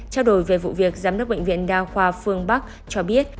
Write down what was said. trao đổi về vụ việc giám đốc bệnh viện đa khoa phương bắc cho biết